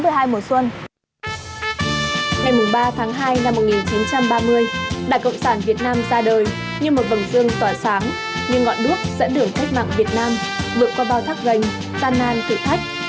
trong mùa xuân nhâm dần hai nghìn hai mươi hai năm nay đảng cộng sản việt nam ra đời như một vầng dương tỏa sáng như ngọn đuốc dẫn đường cách mạng việt nam vượt qua bao thác rành gian nan thử thách